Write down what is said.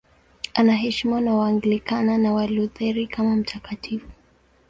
Anaheshimiwa na Waanglikana na Walutheri kama mtakatifu.